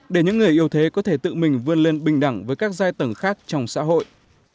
để những người yêu thế có thể tự mình vươn lên bình đẳng với các giai tầng khác trong xã hội